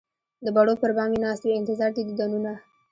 د بڼو پر بام یې ناست وي انتظار د دیدنونه